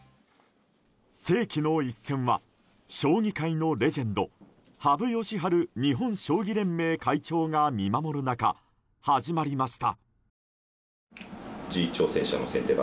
世紀の一戦は将棋界のレジェンド羽生善治日本将棋連盟会長が見守る中、始まりました。